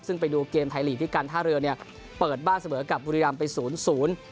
ซึ่งไปดูเกมไทยลีกที่การท่าเรือเนี่ยเปิดบ้านเสมอกับบุรีรำไปศูนย์ศูนย์